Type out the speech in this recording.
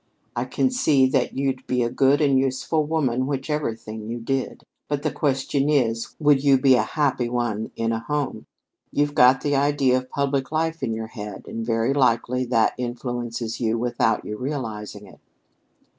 I can see that you'd be a good and useful woman whichever thing you did. But the question is, would you be a happy one in a home? You've got the idea of a public life in your head, and very likely that influences you without your realizing it."